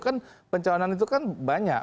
kan pencalonan itu kan banyak